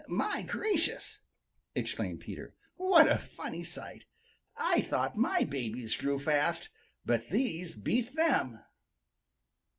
"My gracious!" exclaimed Peter. "What a funny sight! I thought my babies grew fast, but these beat them."